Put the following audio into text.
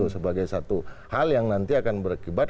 sebagai satu hal yang nanti akan berakibat